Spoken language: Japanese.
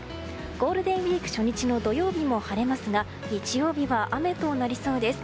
ゴールデンウィーク初日の土曜日も晴れますが日曜日は雨となりそうです。